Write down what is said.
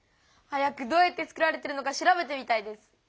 早くどうやって作られてるのか調べてみたいです。